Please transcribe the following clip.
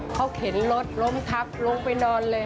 เขาเข็นรถล้มทับลงไปนอนเลย